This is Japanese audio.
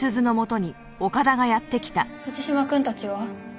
藤島くんたちは？